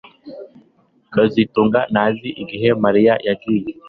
kazitunga ntazi igihe Mariya yagiye